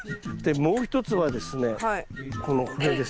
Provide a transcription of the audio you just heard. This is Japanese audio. もう一つはですねこれです。